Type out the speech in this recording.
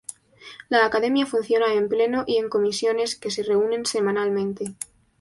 La Academia funciona en Pleno y en Comisiones que se reúnen semanalmente.